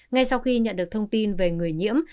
ngay sau khi nhận được thông tin về người nhiễm